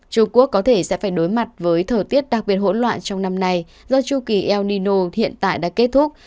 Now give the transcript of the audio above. trung quốc có thể sẽ phải đối mặt với thời tiết đặc biệt hỗn loạn trong năm nay do chu kỳ el nino hiện tại đã kết thúc